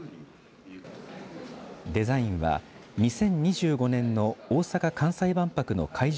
デザインは２０２５年の大阪・関西万博の会場